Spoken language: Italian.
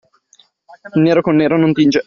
Nero con nero non tinge.